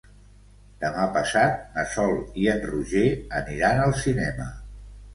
Demà passat na Sol i en Roger aniran al cinema.